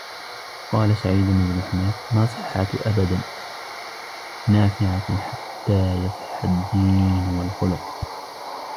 وَقَالَ سَعِيدُ بْنُ حُمَيْدٍ مَا صِحَّةٌ أَبَدًا بِنَافِعَةٍ حَتَّى يَصِحَّ الدِّينُ وَالْخُلُقُ